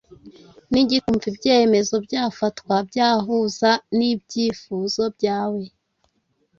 n’igituma wumva ibyemezo byafatwa byahuza n’ibyifuzo byawe.